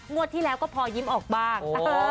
ที่แล้วก็พอยิ้มออกบ้าง